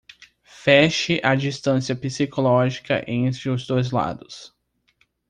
Feche a distância psicológica entre os dois lados